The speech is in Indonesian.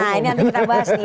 nah ini nanti kita bahas nih